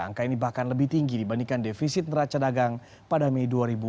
angka ini bahkan lebih tinggi dibandingkan defisit neraca dagang pada mei dua ribu dua puluh